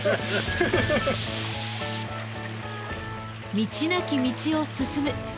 道なき道を進む。